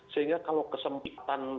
sehingga kalau kesempitan